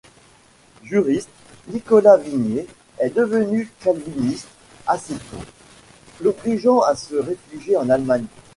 Juriste, Nicolas Vignier est devenu calviniste assez tôt, l'obligeant à se réfugier en Allemagne.